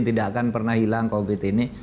tidak akan pernah hilang covid ini